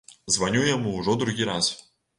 Званю яму ўжо другі раз.